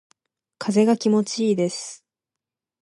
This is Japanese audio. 風が気持ちいいです。